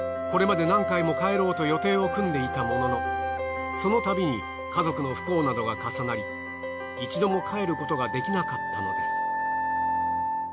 これまで何回も帰ろうと予定を組んでいたもののそのたびに家族の不幸などが重なり一度も帰ることができなかったのです。